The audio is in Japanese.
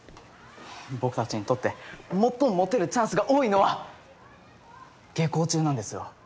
僕たちにとって最もモテるチャンスが多いのは下校中なんですよ！